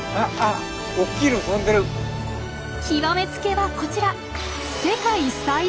極めつけはこちら。